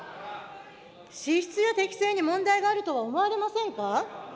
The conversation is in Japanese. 資質や適性に問題があるとは思われませんか。